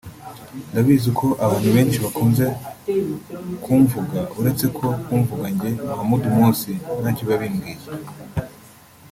Ndabizi ko abantu benshi bakunze kumvuga uretse ko kumvuga njye Muhamud Mosi ntacyo biba bimbwiye